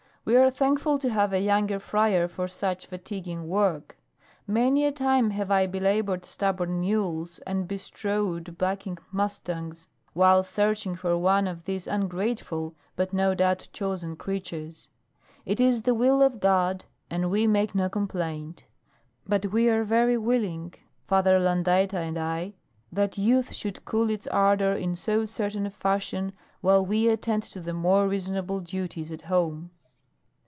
"We are thankful to have a younger friar for such fatiguing work. Many a time have I belabored stubborn mules and bestrode bucking mustangs while searching for one of these ungrateful but no doubt chosen creatures. It is the will of God, and we make no complaint; but we are very willing, Father Landaeta and I, that youth should cool its ardor in so certain a fashion while we attend to the more reasonable duties at home."